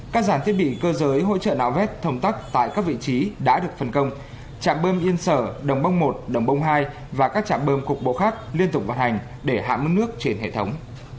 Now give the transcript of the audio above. các dàn thiết bị cơ giới hỗ trợ nạo vét thông tắc tại các vị trí đã được phân công trạm bơm yên sở đồng bông một đồng bông hai và các trạm bơm cục bộ khác liên tục vận hành để hạ mức nước trên hệ thống